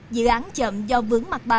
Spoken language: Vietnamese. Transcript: dự án chậm do vững